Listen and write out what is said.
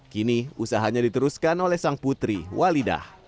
kini usahanya diteruskan oleh sang putri walidah